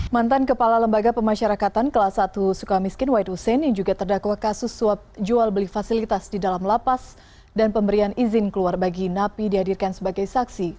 mantan kepala lembaga pemasyarakatan kelas satu suka miskin wahid hussein yang juga terdakwa kasus suap jual beli fasilitas di dalam lapas dan pemberian izin keluar bagi napi dihadirkan sebagai saksi